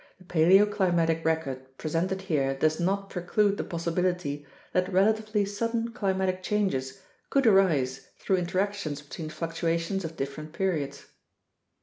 The paleoclimatic record presented here does not preclude the possibility that relatively sudden climatic changes could arise through interactions between fluctuations of different periods.